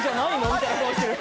みたいな顔してる。